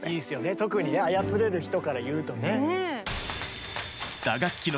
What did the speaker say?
特にね操れる人から言うとね。